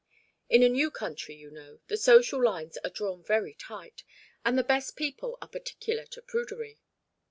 In a new country, you know, the social lines are drawn very tight, and the best people are particular to prudery.